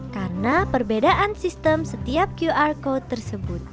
karena perbedaan sistem setiap qr code tersebut